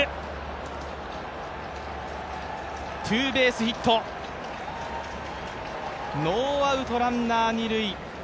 ツーベースヒット、ノーアウトランナー二塁。